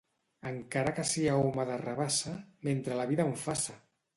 Encara que sia home de rabassa, mentre la vida em faça!